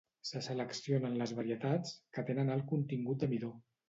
Se seleccionen les varietats que tenen alt contingut de midó.